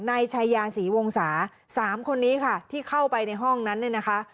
นายชายาศรีวงศาสามคนนี้ค่ะที่เข้าไปในห้องนั้นเนี่ยนะคะ